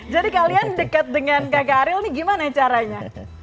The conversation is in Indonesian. jadi kalian dekat dengan kakak ariel ini gimana caranya